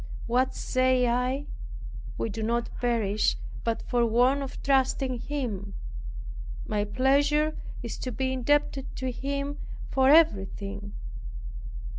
What say I? We do not perish, but for want of trusting Him. My pleasure is to be indebted to Him for everything.